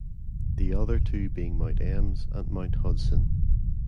The other two being Mount Emms and Mount Hudson.